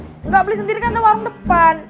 enggak beli sendiri kan ada warung depan